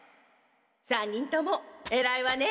３人ともえらいわね。